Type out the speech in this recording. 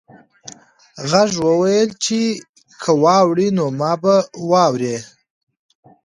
غږ وویل چې که واوړې نو ما به واورې.